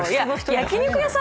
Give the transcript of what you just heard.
焼肉屋さん